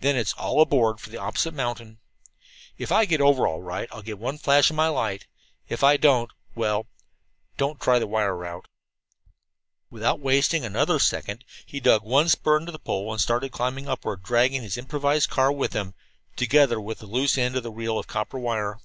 Then it's 'All aboard for the opposite mountain.' "If I get over all right I'll give one flash of my light. If I don't well, don't try the wire route." Without wasting another second he dug one spur into the pole and started climbing upward, dragging his improvised car with him, together with the loose end of the reel of copper wire.